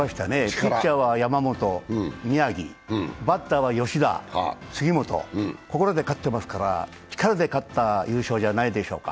ピッチャーは山本、宮城、バッターは吉田、杉本で勝ってますから力で勝った優勝じゃないでしょうか。